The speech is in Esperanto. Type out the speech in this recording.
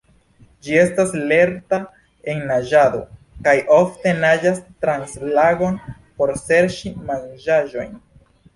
Ĝi estas lerta en naĝado kaj ofte naĝas trans lagon por serĉi manĝaĵojn.